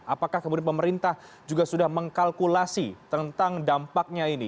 apakah kemudian pemerintah juga sudah mengkalkulasi tentang dampaknya ini